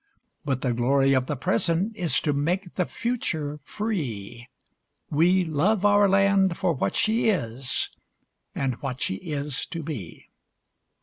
But the glory of the Present is to make the Future free,— We love our land for what she is and what she is to be.